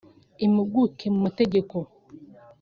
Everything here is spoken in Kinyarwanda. imuguke mu mategeko